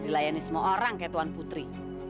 dilayani semua orang ketuan putri